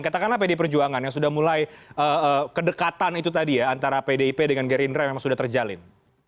katakanlah pdi perjuangan yang sudah mulai kedekatan itu tadi ya antara pdip dengan gerindra memang sudah terjalin